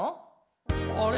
あれ？